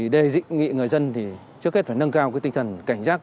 đề nghị người dân trước hết phải nâng cao tinh thần cảnh giác